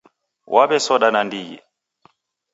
Waw'esoda nandighi